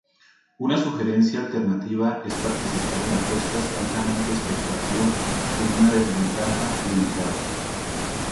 Una sugerencia alternativa es participar en apuestas altamente especulativas con una desventaja limitada.